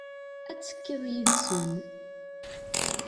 Ad tekkiḍ yid-sen.